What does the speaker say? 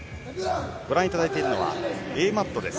ご覧いただいてるのはＡマットです。